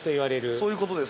◆そういうことです。